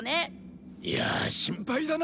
いや心配だな